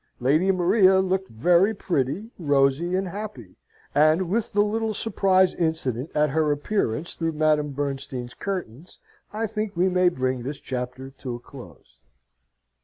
Lady Maria looked very pretty, rosy, and happy. And with the little surprise incident at her appearance through Madame Bernstein's curtains, I think we may bring this chapter to a close.